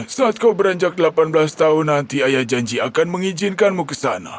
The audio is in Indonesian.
saat kau beranjak delapan belas tahun nanti ayah janji akan mengizinkanmu ke sana